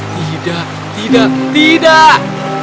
tidak tidak tidak